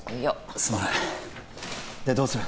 すまないでどうする？